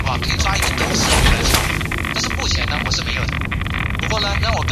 亚兹德省是伊朗三十一个省份之一。